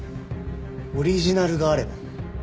オリジナルがあれば。